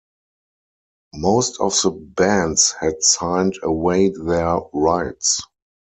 Most of the bands had signed away their rights.